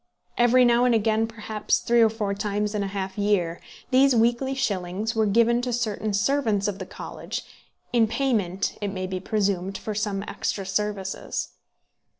Every now and again, perhaps three or four times in a half year, these weekly shillings were given to certain servants of the college, in payment, it may be presumed, for some extra services.